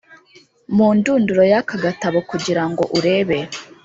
mu ndunduro y'aka gatabo, kugirango urebe